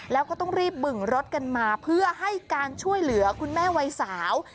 แล้วก็ต้องรีบบึงรถกันมาเพื่อให้การช่วยเหลือคุณแม่วัยสาว